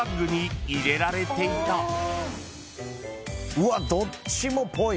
・うわっどっちもぽい。